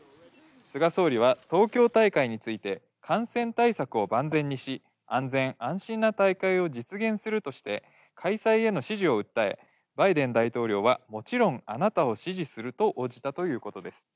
菅総理は東京大会について、感染対策を万全にし、安全・安心な大会を実現するとして開催への支持を訴え、バイデン大統領は、もちろんあなたを支持すると応じたということです。